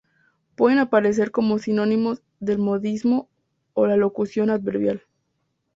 Pueden aparecer como sinónimos del modismo o la locución adverbial.